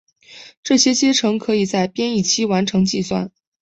这些阶乘可以在编译期完成计算。